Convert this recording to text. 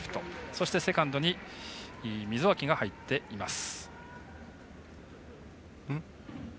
そして、セカンドに溝脇が入っています。